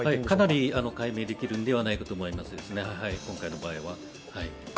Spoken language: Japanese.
かなり解明できるのではないかと思います、今回の場合は。